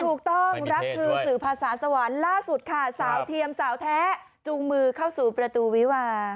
ถูกต้องรักคือสื่อภาษาสวรรค์ล่าสุดค่ะสาวเทียมสาวแท้จูงมือเข้าสู่ประตูวิวา